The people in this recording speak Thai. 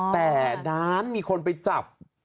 แต่ด้านมีคนไปจับ